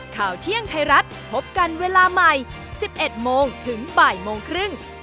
ข่าวเที่ยงไทยรัฐพบกันเวลาใหม่๑๑โมงถึงบ่ายโมงครึ่ง